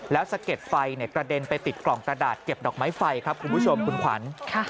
แล้วสะเก็ดไฟกระเด็นไปติดกล่องกระดาษเก็บดอกไม้ไฟครับคุณผู้ชมคุณขวัญ